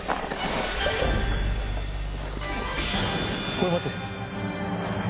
これ持って。